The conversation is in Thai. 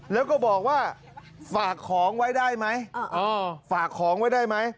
แล้วก็บอกว่าฝากของไว้ได้ไหม